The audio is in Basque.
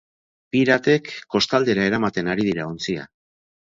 Piratek kostaldera eramaten ari dira ontzia.